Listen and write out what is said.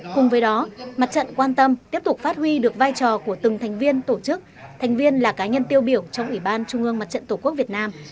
cùng với đó mặt trận quan tâm tiếp tục phát huy được vai trò của từng thành viên tổ chức thành viên là cá nhân tiêu biểu trong ủy ban trung ương mặt trận tổ quốc việt nam